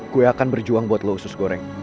gue akan berjuang buat berjalan